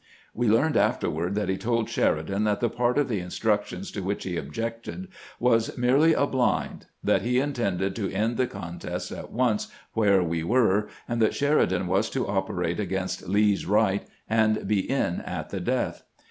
"We learned afterward that he told Sheridan that the part of the instructions to which he objected was merely a blind; that he intended to end the contest at once where we were, and that Sheridan was to operate against Lee's right, and be in at the death.